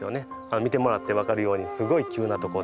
見てもらって分かるようにすごい急な所で。